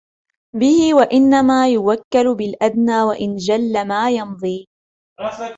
بِهِ ، وَإِنَّمَا يُوَكَّلُ بِالْأَدْنَى وَإِنْ جَلَّ مَا يَمْضِي